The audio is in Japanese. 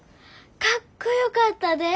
かっこよかったで。